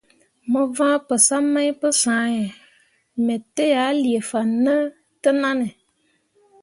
Mo vãã we pəsam mai pəsãhe, me tə a lee fan ne təʼnanne.